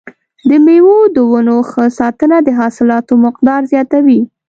د مېوو د ونو ښه ساتنه د حاصلاتو مقدار زیاتوي.